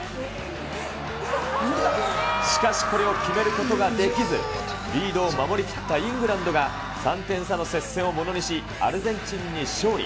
しかし、これを決めることができず、リードを守りきったイングランドが、３点差の接戦をものにし、アルゼンチンに勝利。